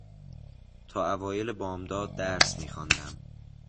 تا اوایل بامداد درس میخواندم.